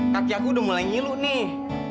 kaki aku udah mulai ngilu nih